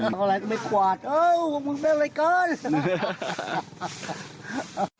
ตอนไล่ไม่กวาดว้าวมันเป็นอะไรกัน